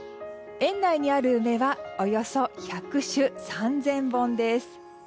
園内にある梅はおよそ１００種３０００本です。